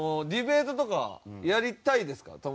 ディベートとかやりたいですか？